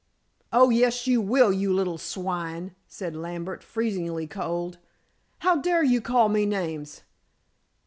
"Oh, yes, you will, you little swine," said Lambert freezingly cold. "How dare you call me names?"